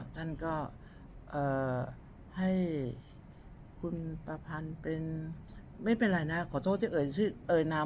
ท่านก็ให้คุณประพันธุ์เป็นไม่เป็นไรนะขอโทษที่เอ่ยน้ำ